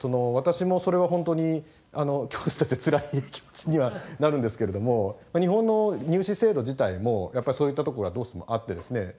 私もそれは本当に教師としてつらい気持ちにはなるんですけれども日本の入試制度自体もやっぱりそういったところがどうしてもあってですね